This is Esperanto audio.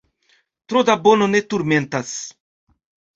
Tro da bono ne turmentas.